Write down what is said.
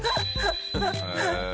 へえ。